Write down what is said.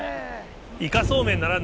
イカそうめんならぬ。